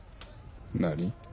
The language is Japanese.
何？